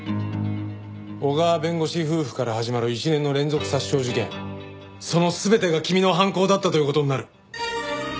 小川弁護士夫婦から始まる一連の連続殺傷事件その全てが君の犯行だったという事になる。